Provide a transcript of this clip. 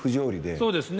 そうですね